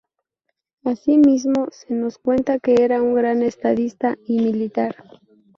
Así mismo, se nos cuenta que era un gran estadista y militar.